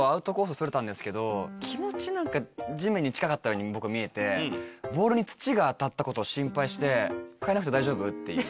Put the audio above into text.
それたんですけど気持ち地面に近かったように見えてボールに土が当たったことを心配して替えなくて大丈夫？っていう。